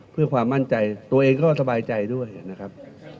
เพื่อความมั่นใจตัวเองก็สบายใจด้วยนะครับ